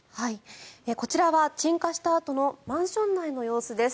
こちらは鎮火したあとのマンション内の様子です。